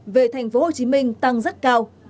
về thành phố hồ chí minh tăng rất cao